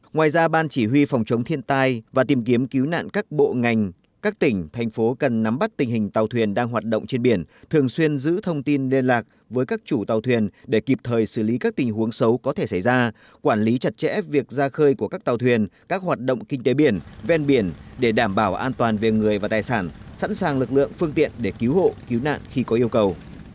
ngoài ra ban chỉ huy phòng chống thiên tai và tìm kiếm cứu nạn các bộ ngành các tỉnh thành phố cần nắm bắt tình hình tàu thuyền đang hoạt động trên biển thường xuyên giữ thông tin liên lạc với các chủ tàu thuyền để kịp thời xử lý các tình huống xấu có thể xảy ra quản lý chặt chẽ việc ra khơi của các tàu thuyền các hoạt động kinh tế biển ven biển để đảm bảo an toàn về người và tài sản sẵn sàng lực lượng phương tiện để cứu hộ cứu nạn khi có yêu cầu